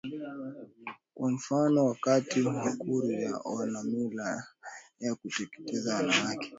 Kwa mfano wakati Wakurya wana mila ya kukeketa wanawake